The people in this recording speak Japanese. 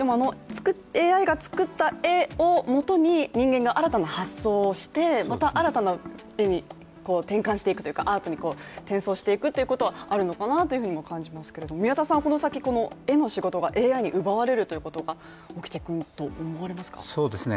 ＡＩが作った絵をもとに人間が新たな発想をして、また新たな絵に転換していくというかアートに転送していくというのはあるのかなと思いますが宮田さんはこの先、絵の仕事がＡＩに奪われるということが起きてくると思われますか？